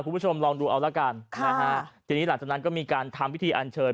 คุณผู้ชมลองดูเอาละกันนะฮะทีนี้หลังจากนั้นก็มีการทำพิธีอันเชิญ